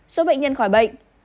số bệnh nhân khỏi bệnh